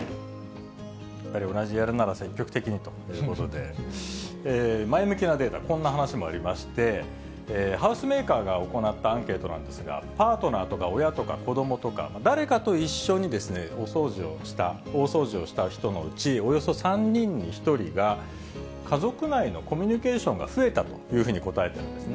やっぱり同じやるなら積極的にということで、前向きなデータ、こんな話もありまして、ハウスメーカーが行ったアンケートなんですが、パートナーとか親とか、子どもとか、誰かと一緒にお掃除をした、大掃除をした人のうちおよそ３人に１人が家族内のコミュニケーションが増えたというふうに答えたんですね。